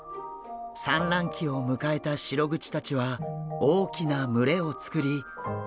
産卵期を迎えたシログチたちは大きな群れを作り泳いでいます。